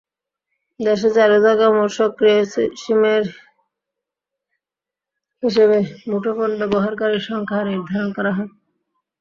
দেশে চালু থাকা মোট সক্রিয় সিমের হিসেবে মুঠোফোন ব্যবহারকারীর সংখ্যা নির্ধারণ করা হয়।